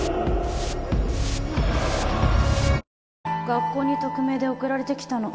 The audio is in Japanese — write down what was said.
「学校に匿名で送られてきたの」